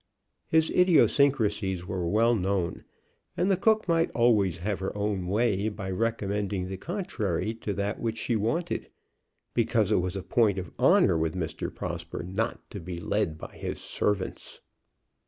His idiosyncrasies were well known, and the cook might always have her own way by recommending the contrary to that which she wanted, because it was a point of honor with Mr. Prosper not to be led by his servants.